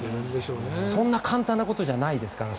そんな簡単なことじゃないですから。